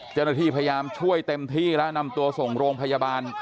เจ้าหน้าที่พยายามช่วยเต็มที่แล้วนำตัวส่งโรงพยาบาล